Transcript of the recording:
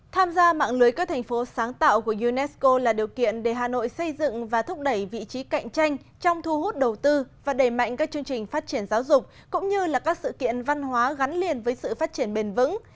tham gia mạng lưới các thành phố sáng tạo của unesco là điều kiện để hà nội xây dựng và thúc đẩy vị trí cạnh tranh trong thu hút đầu tư và đẩy mạnh các chương trình phát triển giáo dục cũng như là các sự kiện văn hóa gắn liền với sự phát triển bền vững